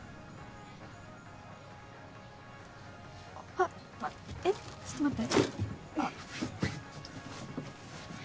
あっえちょっと待って